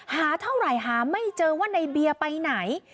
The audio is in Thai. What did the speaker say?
หาเท่าไหร่หาไม่เจอว่าในเบียร์ไปไหน